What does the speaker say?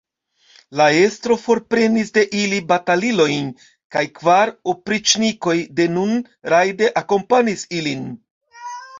La estro forprenis de ili batalilojn, kaj kvar opriĉnikoj denun rajde akompanis ilin.